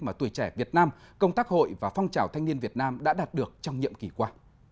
mà tuổi trẻ việt nam công tác hội và phong trào thanh niên việt nam đã đạt được trong nhiệm kỳ qua